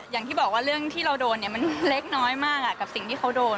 อย่างที่บอกว่าเรื่องที่เราโดนเนี่ยมันเล็กน้อยมากกับสิ่งที่เขาโดน